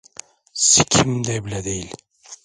Sikimde bile değil.